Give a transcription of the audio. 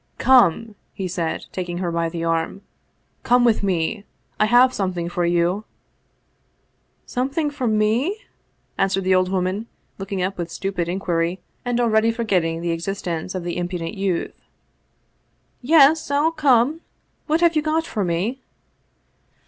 " Come !" he said, taking her by the arm. " Come with me ! I have something for you !"" Something for me ?" answered the old woman, look ing up with stupid inquiry and already forgetting the ex istence of the impudent youth. " Yes, I'll come ! What have you got for me